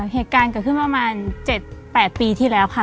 เหตุการณ์เกิดขึ้นประมาณ๗๘ปีที่แล้วค่ะ